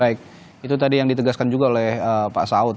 baik itu tadi yang ditegaskan juga oleh pak saud